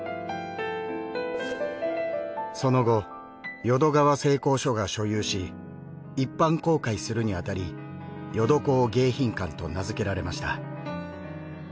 その後淀川製鋼所が所有し一般公開するにあたり『ヨドコウ迎賓館』と名づけられました。